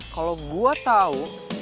kalau gue tahu